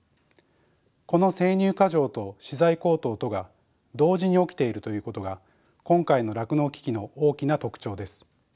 この生乳過剰と資材高騰とが同時に起きているということが今回の酪農危機の大きな特徴です。